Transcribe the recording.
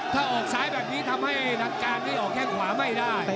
ถ้าออกซ้ายแบบนี้ทำให้ทางการนี่ออกแข้งขวาไม่ได้